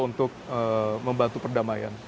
untuk membantu perdamaian